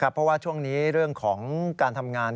เพราะว่าช่วงนี้เรื่องของการทำงาน